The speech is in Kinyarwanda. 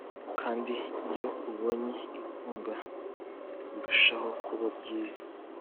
kandi iyo ubonye inkunga birushaho kuba byiza